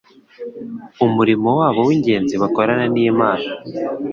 umurimo wabo w’ingenzi bakorana n’Imana,